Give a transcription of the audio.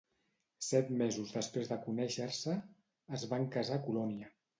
Set mesos després de conèixer-se, es van casar a Colònia.